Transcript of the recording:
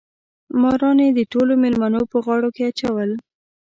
ماران یې د ټولو مېلمنو په غاړو کې راچول.